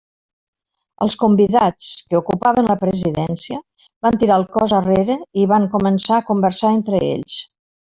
Els convidats, que ocupaven la presidència, van tirar el cos arrere i van començar a conversar entre ells.